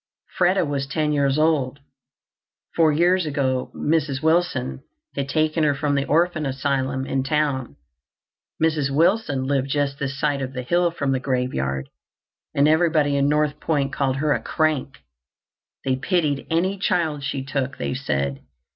Freda was ten years old. Four years ago Mrs. Wilson had taken her from the orphan asylum in town. Mrs. Wilson lived just this side of the hill from the graveyard, and everybody in North Point called her a "crank." They pitied any child she took, they said.